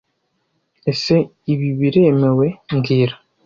Ese ibi biremewe mbwira